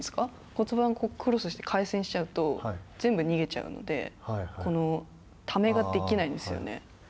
骨盤がクロスして回旋しちゃうと全部、逃げちゃうので、このためができないんですよね。